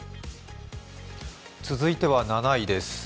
続いては７位です。